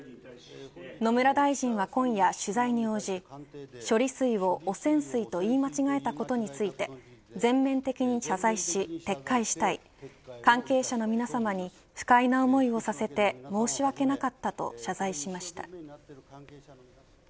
野村大臣は今夜取材に応じ処理水を汚染水と言い間違えたことについて全面的に謝罪し、撤回したい関係者の皆さまに、不快な思いをさせて申し訳なかったと謝罪しました。